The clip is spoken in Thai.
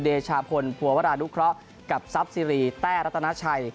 เดชาพลภัวรานุเคราะห์กับทรัพย์ซีรีแต้รัตนาชัย